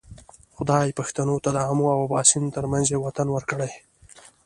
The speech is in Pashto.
خدای پښتنو ته د آمو او باسین ترمنځ یو وطن ورکړی.